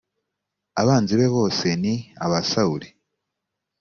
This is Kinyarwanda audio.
abanzi be bose ni aba sawuli